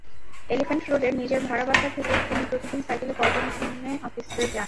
Elephant রোডের নিজের ভাড়া বাসা থেকে তিনি প্রতিদিন সাইকেলে পল্টনে অফিসে যান।